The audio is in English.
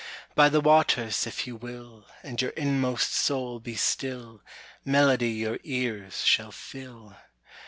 "By the waters, if you will, And your inmost soul be still, Melody your ears shall fill.